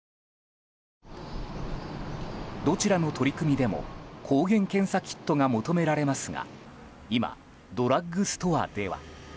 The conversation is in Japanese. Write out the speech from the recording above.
どちらの取り組みでも抗原検査キットが求められますが今、ドラッグストアでは。